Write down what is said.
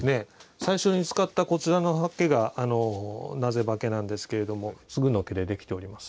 最初に使ったこちらの刷毛がなぜ刷毛なんですけれどもつぐの毛で出来ております。